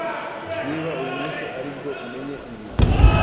Niba uyu munsi ari bwo umenye ibi,